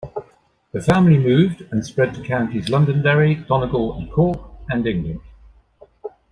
The family moved and spread to counties Londonderry, Donegal and Cork, and England.